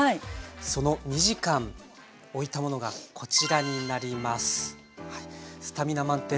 その２時間おいたものがこちらになります。